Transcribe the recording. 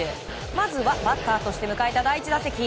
まずはバッターとして迎えた第１打席。